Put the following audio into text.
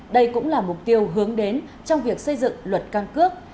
đây cũng là mục tiêu hướng đến trong việc xây dựng luật căn cước